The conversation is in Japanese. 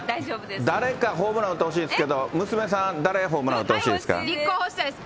誰かホームラン打ってほしいですけど、娘さん、誰ホームラン打っ立候補したいです。